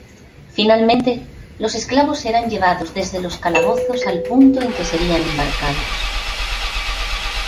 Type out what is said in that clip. Finalmente, los esclavos eran llevados desde los calabozos al punto en que serían embarcados.